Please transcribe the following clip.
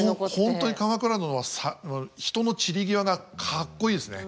本当に「鎌倉殿」は人の散り際がかっこいいですね。